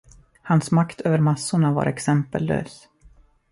Hans makt över massorna var exempellös.